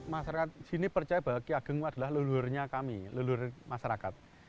masyarakat di sini percaya bahwa ki ageng adalah leluhurnya kami leluhur masyarakat